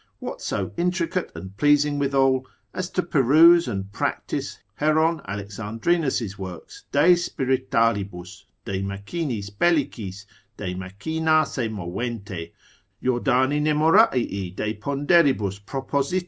What so intricate and pleasing withal, as to peruse and practise Heron Alexandrinus's works, de spiritalibus, de machinis bellicis, de machina se movente, Jordani Nemorarii de ponderibus proposit.